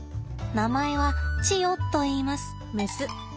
名前はチヨといいます。